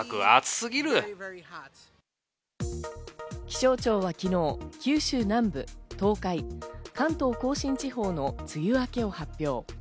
気象庁は昨日、九州南部、東海、関東甲信地方の梅雨明けを発表。